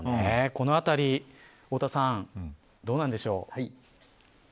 このあたり太田さんどうなんでしょうか。